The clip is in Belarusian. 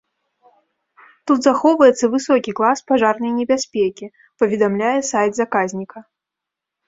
Тут захоўваецца высокі клас пажарнай небяспекі, паведамляе сайт заказніка.